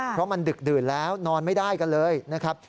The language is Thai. เพราะมันดึกดื่นแล้วนอนไม่ได้กันเลยนะครับ